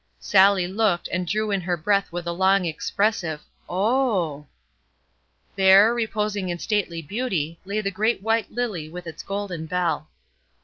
Sallie looked, and drew in her breath with a long, expressive "O h!" There, reposing in stately beauty, lay the great white lily with its golden bell.